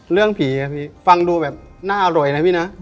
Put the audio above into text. เรื่องผีอะพี่ฟังดูแบบน่าอร่อยนะพี่นะ